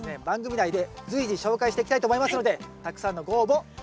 番組内で随時紹介していきたいと思いますのでたくさんのご応募。